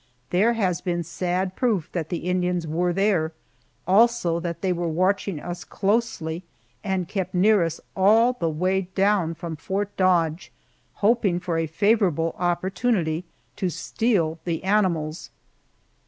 There has been sad proof that the Indians were there, also that they were watching us closely and kept near us all the way down from Fort Dodge, hoping for a favorable opportunity to steal the animals.